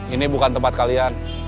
ini bukan tempat kalian